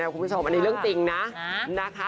คุณผู้ชมอันนี้เรื่องจริงนะนะคะ